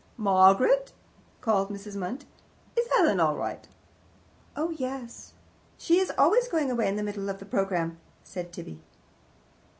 "Margaret," called Mrs. Munt, "is Helen all right?" "Oh yes." "She is always going away in the middle of a programme," said Tibby.